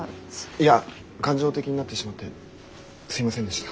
いや感情的になってしまってすいませんでした。